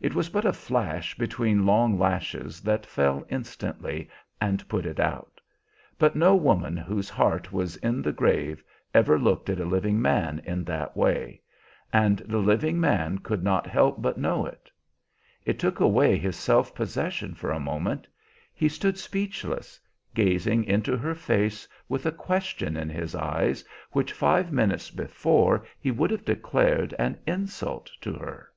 It was but a flash between long lashes that fell instantly and put it out; but no woman whose heart was in the grave ever looked at a living man in that way, and the living man could not help but know it. It took away his self possession for a moment; he stood speechless, gazing into her face with a question in his eyes which five minutes before he would have declared an insult to her.